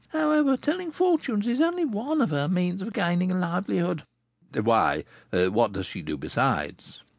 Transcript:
However, telling fortunes is only one of her means of gaining a livelihood." "Why, what does she do besides?"